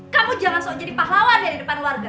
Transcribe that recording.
kamu jangan sok jadi pahlawan dari depan warga